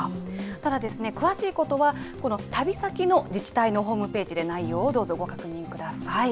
ただ、詳しいことは、この旅先の自治体のホームページで内容をどうぞご確認ください。